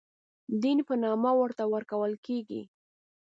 دین په نامه ورته ورکول کېږي.